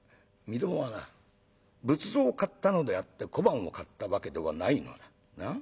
みどもはな仏像を買ったのであって小判を買ったわけではないのだ。なあ？